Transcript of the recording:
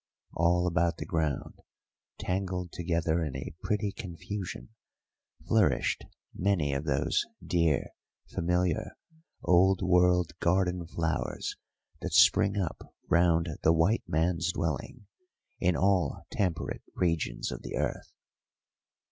All about the ground, tangled together in a pretty confusion, flourished many of those dear familiar Old World garden flowers that spring up round the white man's dwelling in all temperate regions of the earth.